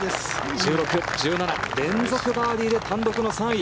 １６、１７連続バーディーで単独の３位。